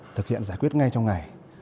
thực hiện giải quyết ngay trong ngày